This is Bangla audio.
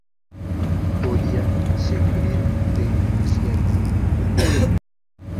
বলিয়া সে ভিড়ের মধ্যে মিশিয়া গেল।